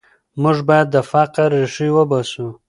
موږ باید د فقر ریښې وباسو.